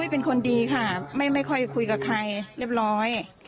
เป็นคนดีค่ะไม่ค่อยคุยกับใครเรียบร้อย